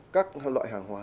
các loại hàng hóa